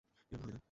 এভাবে হয় না।